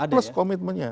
road map plus komitmennya